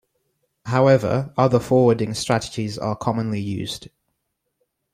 However, other forwarding strategies are commonly used.